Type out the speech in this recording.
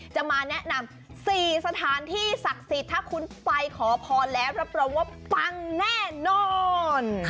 จะมาแนะนำ๔สถานที่ศักดิ์สิทธิ์ถ้าคุณไปขอพรแล้วรับรองว่าปังแน่นอน